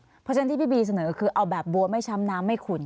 เพราะฉะนั้นที่พี่บีเสนอคือเอาแบบบัวไม่ช้ำน้ำไม่ขุ่น